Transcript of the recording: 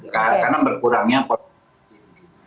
karena berkurangnya polisi